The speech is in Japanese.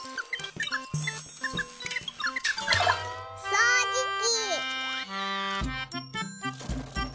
そうじき。